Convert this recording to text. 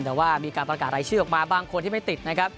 แต่ว่ามีการประกาศไร้ชื่อมาบางคนที่ไม่ติด